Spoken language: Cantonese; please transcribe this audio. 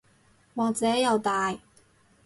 或者又大